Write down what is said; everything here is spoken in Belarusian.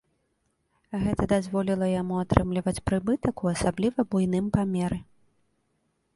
Гэта дазволіла яму атрымліваць прыбытак у асабліва буйным памеры.